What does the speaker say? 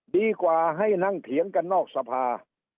ดีกว่าให้นั่งเถียงกันนอกสภา